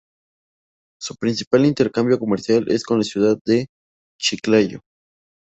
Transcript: Su principal intercambio comercial es con la ciudad de Chiclayo.